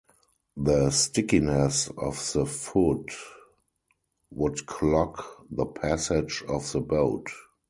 The stickiness of the food would clog the passage of the boat.